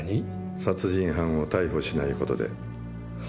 殺人犯を逮捕しない事で。